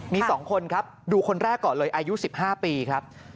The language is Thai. มี๒คนครับดูคนแรกก่อนเลยอายุ๑๕ปีครับ